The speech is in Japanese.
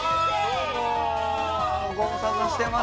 どうもご無沙汰してます